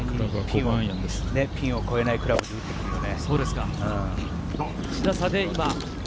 ピンを越えないクラブで打ってくるよね。